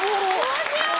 面白い！